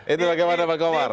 itu bagaimana pak komar